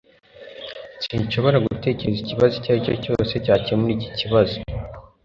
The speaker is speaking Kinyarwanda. sinshobora gutekereza igisubizo icyo ari cyo cyose cyakemura iki kibazo